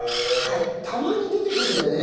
たまに出てくるんだよね